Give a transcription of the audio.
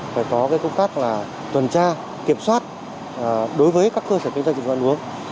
phải có công tác là tuần tra kiểm soát đối với các cơ sở kinh doanh dịch vụ ăn uống